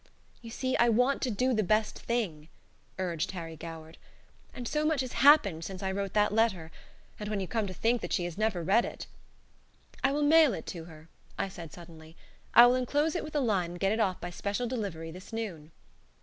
"You see, I want to do the best thing," urged Harry Goward. "And so much has happened since I wrote that letter and when you come to think that she has never read it " "I will mail it to her," I said, suddenly. "I will enclose it with a line and get it off by special delivery this noon."